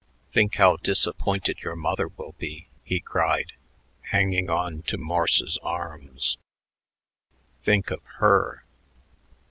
"Think how disappointed your mother will be," he cried, hanging on to Morse's arms; "think of her."